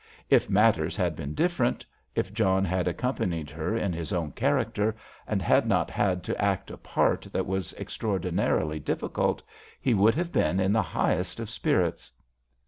If matters had been different, if John had accompanied her in his own character, and had not had to act a part that was extraordinarily difficult, he would have been in the highest of spirits.